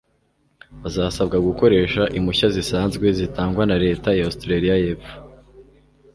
bazasabwa gukoresha impushya zisanzwe zitangwa na leta ya Australiya yepfo